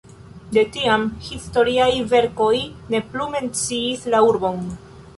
De tiam historiaj verkoj ne plu menciis la urbon.